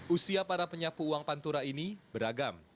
usia para penyapu uang pantura ini beragam